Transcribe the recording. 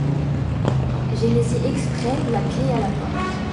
J’ai laissé exprès la clef à la porte.